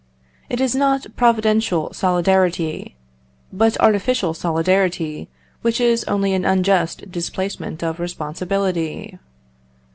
It is not providential solidarity, but artificial solidarity, which is only an unjust displacement of responsibility.